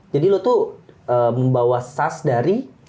jadi lo tuh membawa sas dari